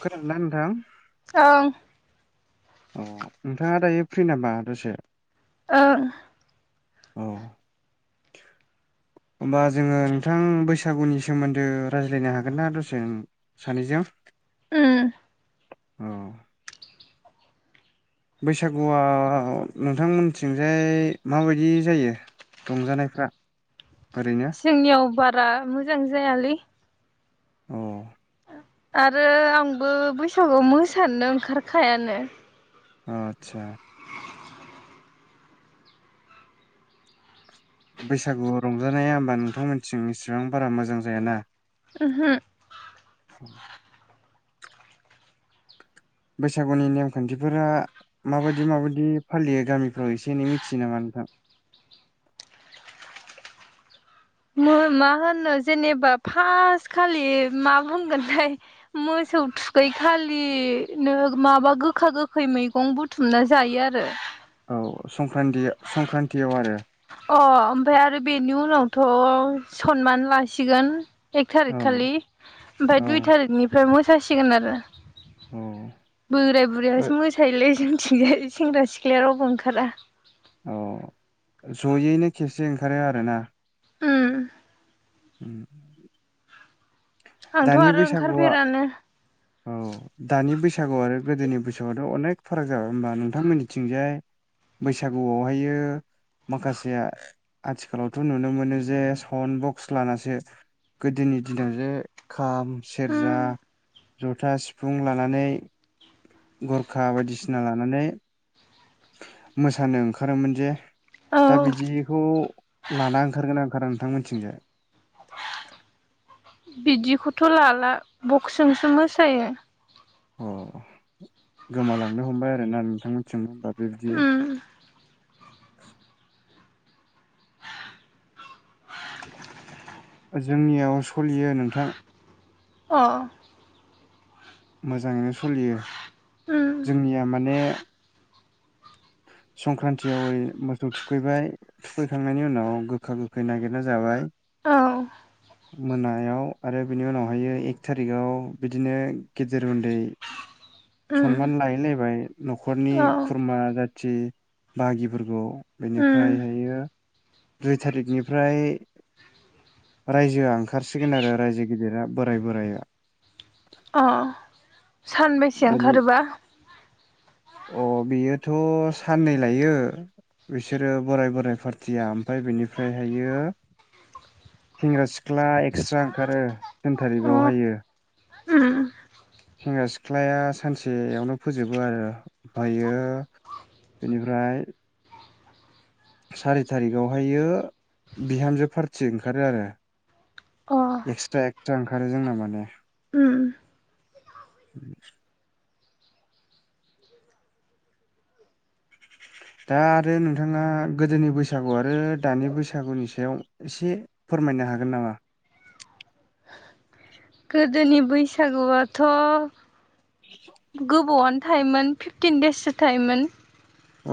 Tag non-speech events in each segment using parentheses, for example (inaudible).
खोनादों ना नोंथां ओह ओ नोंथांआ दायो फ्रि नामा दसे ओ ओ होमबा जोङो नोंथां बैसागुनि सोमोनदो रायज्लायनो हागोन ना दसे ओ सानैजों? उम ओ बैसागुआ नोंथांमोनथिंजाय माबायदि जायो? रंजानायफ्रा ओरैनो जोंनिआव बारा मोजां जायालै अ आरो आंबो बैसागुआव मोसानो ओंखारखायानो ओ आतसा (inaudible) बैसागु रंजानाआ होमबा नोंथांमोनथिं इसिबां बारा मोजां जायाना? ओहो (inaudible) बैसागुनि नेमखान्थिफोरा माबायदि माबायदि फालियो गामिफ्राव एसे एनै मिथियो नामा नोंथां? (inaudible) मो मा होनो जेनोबा फास खालि मा होनगोनथाय मोसौ थुखै खालि नो माबा गोखा गोखै मैगं बुथुमना जायो आरो अ संक्रान्ति संक्रान्तिआव आरो अ ओमफाय आरो बेनि उनावथ' सनमान लासिगोन एक थारिक औ खालि आमफाय दुइ औ थारिकनिफ्राय मोसासिगोन आरो औ बोराय बुरियासो मोसायोलै जों जोंनिथिंजाय सेंग्रा सिख्लाया रावबो ओंखारा अ जयैनो खेबसे ओंखारो आरोना? ओम उम आंथ' दानि आरो बैसागुआ ओंखारफेरानो औ दानि बैसा बैसागु आरो गोदोनि बैसागुआथ' अनेक फाराग जाबाय होमबा नोंथांमोनिथिंजाय बैसागुआवहायो माखासेया आथिखालावथ' नुनो मोनो जे सावन बक खसलानासो गोदोनि दिना जे खाम सेरजा उम जथा सिफुं लानानै गरखा बायदिसिना लानानै मोसानो ओंखारोमोन जे औ दा बिदिखौ लाना ओंखारगोन ना‌ ओंखारा नोंथांमोनिथिंजाय? बिदिखौथ' लाला बक्सजोंसो मोसायो अ गोमालांनो हमबाय आरोना नोंथांमोनथिंबो होनबा बिबदि उम जोंनिआव सलियो नोंथां अ मोजांयैनो सलियो उम जोंनिया माने संक्रान्तियाव ओरै मोसौ थुखैबाय थुखैखांनायनि उनाव गोखा गोखै नागिरना जाबाय औ मोनायाव आरो बिनि उनावहाय एक थारिकाव बिदिनो गेदेर उन्दै उम सनमान लायैलायबाय न'खरनि औ खुरमा जाथ थि बागिफोरखौ उम बेनिफ्रायहायो दुइ थारिखनिफ्राय रायजोआ ओंखारसिगोन आरो रायजो गिदिरा बोराय बोराया अ सानबेसे बेनि ओंखारोबा? अ बेयोथ' साननै लायो बिसोरो बोराय - बोराय पार्टिया ओमफाय बेनिफ्रायहायो सेंग्रा सिख ख्ला एक्सट्रा ओंखारो थिन अ थारिकावहायो उम सिख्लाया सानसेयावनो फोजोबो आरो ओमफ्रायो बेनिफ्राय सारि थारिखावहायो बिहामजो पार्थि ओंखारो आरो अ एक्सट्रा एक्सट्रा ओंखारो जोंना माने उम उम (inaudible) दा आरो नोंथाङा गोदोनि बैसागु आरो दानि बैसागुनि सायाव एसे फोरमायनानै नो हागोन नामा गोदोनि बैसागुआथ' गोबावनो थायोमोन फिफटिन देससो थायोमोन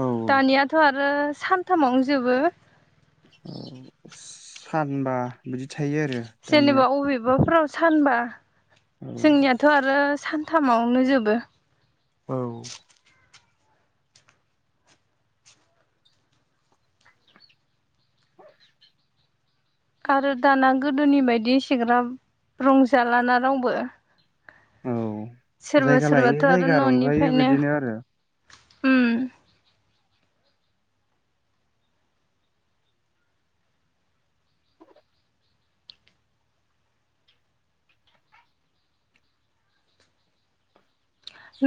औ दानियाथ' आरो आरो सानथामावनो जोबो औ सानबा बिदि थायो आरो दानिया जेनबा औ बिब सानबा औ जोंनियाथ' आरो सानथामावनो जोबो औ आरो दाना गोदोनि बायदि एसेग्राब रंजालान रावबो औ सोरबा जायगा लायै सोरबाथ' आरो जायगा रंजायो न'निफ्रायनो बिदिनो आरो उम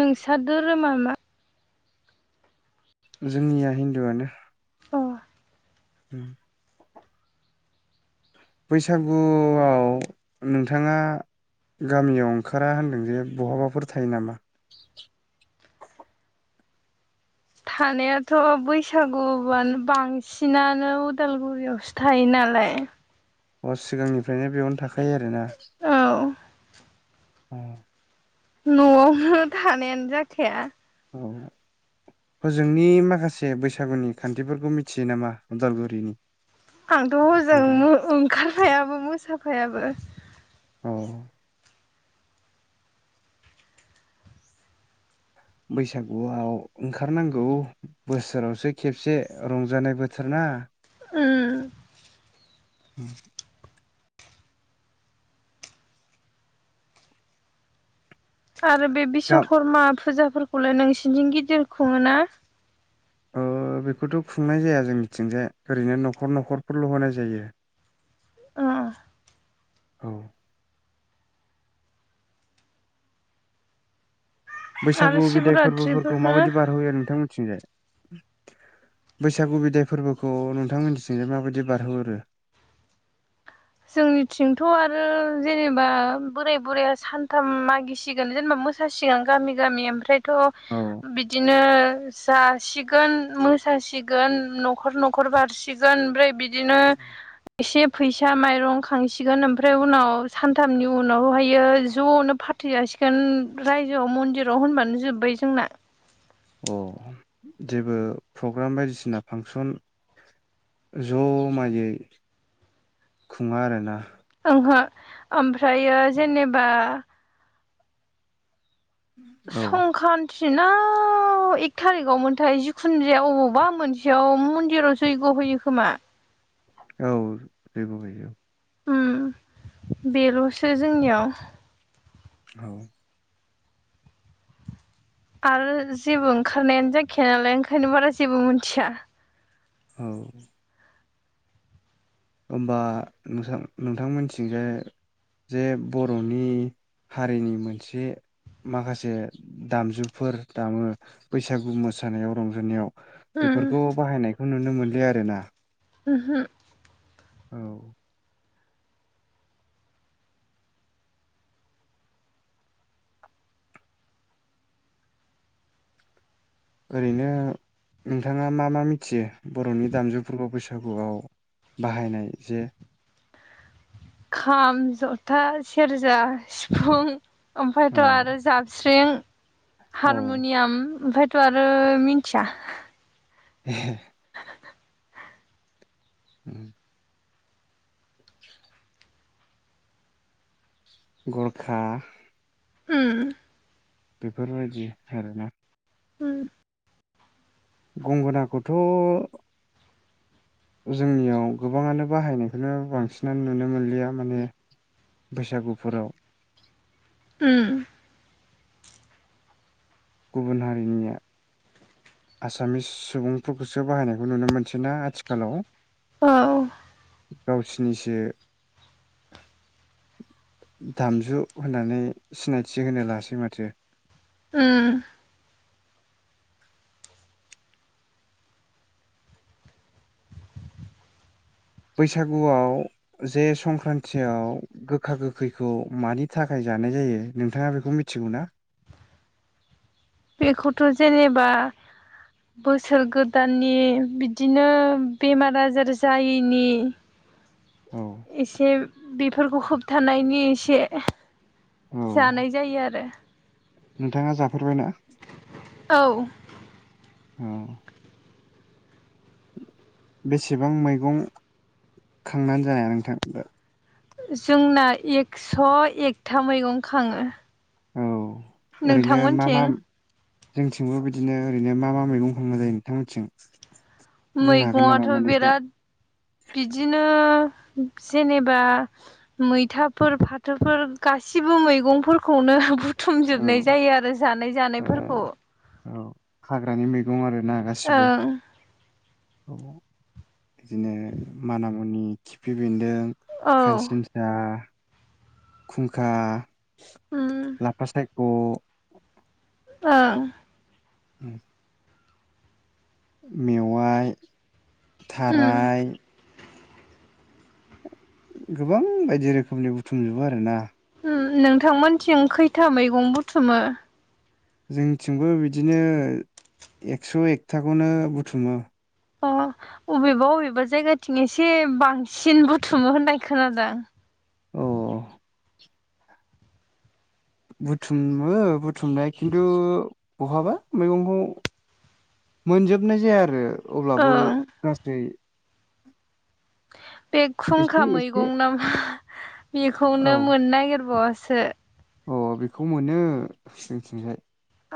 नोंसोर धोरोमा मा जोंनिया हिन्दुआनो अ उम बैसागुआव नोंथाङा गामियाव ओंखारा होनदों जे बहाबाफोर थायो नामा थानायाथ' बैसागुआानो बांसिनानो उदालगुरियावसो थायो ना लाय अ सिगांनिफ्रायनो बेयावनो थाखायो आरोना औ औ न'आवनो थानायानो जाखाया औ फोजोंनि माखासे बैसागुनि खान्थिफोरखौ मिथियो नामा उदालगुरिनि आंथ' नोंथां हजों ओंखारफायाबो मोसाफायाबो औ बैसागुआव ओंखारनांगौ बोसोरावसो खेबसे रंजानाय बोथोर ना उओम उ आरो बे गा बिशवकर्मा फुजाफोरखौलाय नोंसिोरनिथिं गिदिर खुङो ना औ बेखौथ' खुंनाय जाया जोंनिथिंजाय ओरैनो न'खर न'खरफोरल' होनाय जायो ओ औ बैसागु बिदाय फोरबोफोरखौ शिबरात्रिफोरखौ माबायदि बारहोयो नोंथां मिथिंजाय बैसागु बिदाय फोरबोखौ नोंथांमोननिथिंनोाय माबायदि बारहोहरो जोंनिथिंथ' आरो जेनेबा बोराय बुरायाया सानथाम मागिसिगोन जेनेबा मोसासिगां गामि गामि ओमफ्रायथ' बि औ बिदिनो जासिगोन मोसासिगोन न'खर न'खर बारसिगोन ओमफ्राय बिदिनो एसे फै फिसा माइरं खांसिगोन ओमफ्राय उनाव सानथामनि उनावहायो ज'नो फाथै जासिगोन रायजोआव मन्दिराव होनबानो जोब्बाय जोंना अ जेबो प्रग्राम बायदिसिना फांसन ज'माययै खुङा आरोना ओंहो ओमफ्रायो जेनेबा औ संख्रान्ति ना औ एक थारिकाव मोनथाय जिखुनु जाया औ जेबो गयो ओम बेल'सो जोंनियाव औ आरो जेबो ओंखारनायानो जायाखाया नालाय ओंखायनो बारा जेबो मिथिया औ होमबा नोंसा नोंथांमोननिथिंजाय जे बर'नि हारिनि मोनसे माखासे दामजुफोर दामो बैसागु मोसानायाव रंजानायाव उम बेफोरखौ बाहायनायखौ नुनो मोनलिया आरोना ओहो औ ओरैनो नोंथाङा मा मा मिथियो बर'नि दामजुफोरखौ बैसागुआव बाहायनाय जे खाम जथा सेरजा सिफुं ओमफ्रायथ' औ आरो जाबस्रिं औ हारमुनियाम ओमफ्राय थ'आरो मिन्थिया (inaudible) (inaudible) ओम गरखा उम बेफोरबायदि आरोना उम गंगोनाखौथ' जोंनियाव गोबाङानो बाहायनायखौनो बांसिनानो नुनो मोनलिया माने बैसागुफोराव उम गुबुन हारिनिया आसामिस सुबुंफोरखौसो बाहायनायखौ नुनो मोनसै ना आथिखालाव औ गावसिनिसो दामजु होननानै सिनायथि होनो लासै माथो ओम बैसागुआव जे संक्रान्तियाव गोखा गोखैखौ मानि थाखाय जानाय जायो नोंथाङा बेखौ मिथिगौ ना बेखौथ' जेनेबा बोसोर गोदाननि बिदिनो बेमार आजार जायैनि (inaudible) एसे बेफोरखौ होबथानायनि एसे औ जानाय जायो आरो नोंथाङा जाफेरबायना औ। औ। बेसेबां मैगं खांनानै जाया नोंथां दा? जोंना एकस' एकथा मैगं खाङो। औ ओरैनो मा मा? नोंथांमोनथिं जोंथिंबो बिदिनो ओरैनो मा मा मैगं खांनाय जायो नोंथांमोननिथिं मैगंआथ' बिराद। बिदिनो जेनेबा मैथाफोर फाथोफोर गासिब बो मैगंफोरखौनो औ बुथुमजोबनाय जायो आरो जानाय ओ जानायफोरखौ औ हाग्रानि मैगं आरो ना गासिबो ओं औ बिदिनो मान मुनि खिफि बेन्दों औ खानसिनसा खुंखा ओम लाफा सायख' ओं उम मेवाय ओम थाराय गोबां बायदि रोखोमनि बुथुमजोबो आरोना उ नोंथांमोनथिं खैथा मैगं बुथुमो? जोंथिंबो बिदिनो एक्स' एकथाखौनो बुथुमो। अ अबेबा अबेबा जायगाथिं एसे बांसिन बुथुमो होननाय खोनादों। औ। बुथुमो बुथुमनाय खिन्थु बहाबा मैगंखौ मोनजोबनाय जाया आरो अब्लाबो ओं गासै बे एसे खुंखा एसे मैगं नामा बेखौनो औ मोननो नागिरबावसो अ बेखौ मोनो जोंनिथिंजाय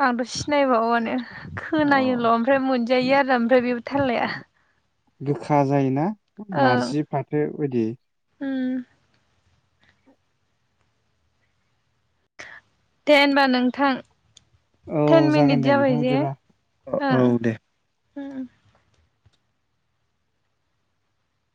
आंथ' सिनायबावानो। खोनायोल' अ ओमफ्राय मोनजायो आरो ओमफ्राय बे थाललाया। गोखा जायोना नारजि फाथो बायदि। उम। दे होनबा नोंथां। औ टेन जागोन मिनिट दे जाबाय नोंथां जे बिदिब्ला औ ओं दे उ।